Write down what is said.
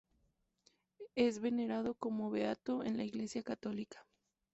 Es venerado como beato en la Iglesia católica.